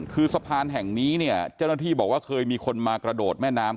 คือสะพานแห่งนี้เนี่ยเจ้าหน้าที่บอกว่าเคยมีคนมากระโดดแม่น้ำ